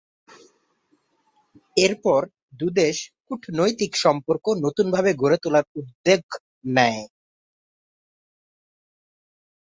এরপর দু দেশ কূটনৈতিক সম্পর্ক নতুনভাবে গড়ে তোলার উদ্যোগ নেয়।